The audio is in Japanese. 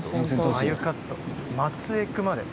眉カットマツエクまで。